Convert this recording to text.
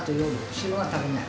昼は食べない。